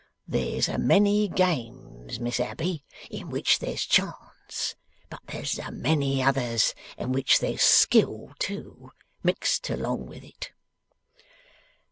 There's a many games, Miss Abbey, in which there's chance, but there's a many others in which there's skill too, mixed along with it.